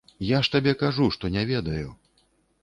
Я ж табе кажу, што не ведаю.